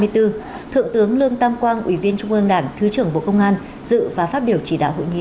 thượng tướng lương tam quang ủy viên trung ương đảng thứ trưởng bộ công an dự và phát biểu chỉ đạo hội nghị